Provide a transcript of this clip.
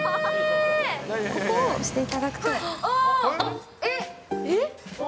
ここを押していただくと。